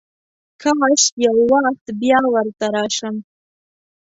کاش یو وخت بیا ورته راشم.